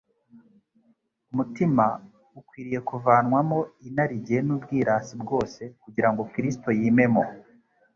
Umutima ukwiriye kuvanwamo inarijye n'ubwirasi bwose kugira ngo Kristo yimemo.